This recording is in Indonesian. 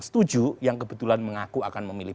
setuju yang kebetulan mengaku akan memilih